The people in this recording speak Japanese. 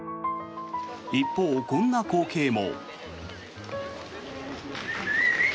一方、こんな光景も。